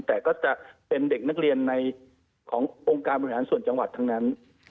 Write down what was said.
แต่ก็จะเป็นเด็กนักเรียนในขององค์การบริหารส่วนจังหวัดทั้งนั้น